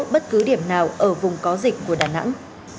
bất cứ điểm nào ở vùng có dịch của đà nẵng